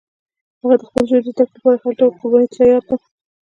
هغه د خپل زوی د زده کړې لپاره هر ډول قربانی ته تیار ده